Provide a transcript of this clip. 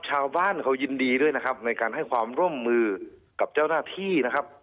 ชาวบ้านเขายินดีด้วยนะครับในการให้ความร่วมมือกับเจ้าหน้าที่นะครับ